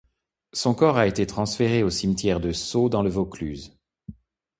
Son corps a été transféré au cimetière de Sault, dans le Vaucluse.